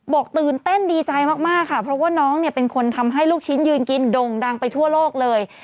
ตื่นเต้นดีใจมากค่ะเพราะว่าน้องเนี่ยเป็นคนทำให้ลูกชิ้นยืนกินด่งดังไปทั่วโลกเลย